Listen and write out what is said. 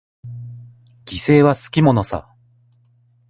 犠牲はつきものさ。